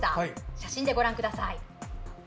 写真でご覧ください。